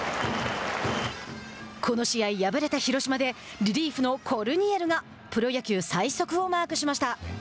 この試合、敗れた広島でリリーフのコルニエルがプロ野球最速をマークしました。